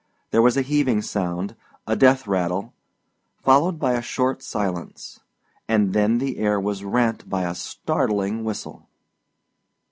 There was a heaving sound, a death rattle, followed by a short silence; and then the air was rent by a startling whistle.